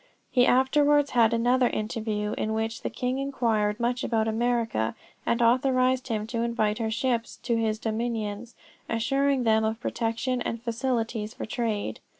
He afterwards had another interview, in which the king inquired much about America, and authorized him to invite her ships to his dominions, assuring them of protection and facilities for trade.